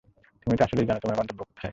তুমিতো আসলেই জানো আমাদের গন্তব্য কোথায়।